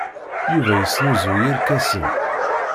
Yuba yesnuzuy irkasen.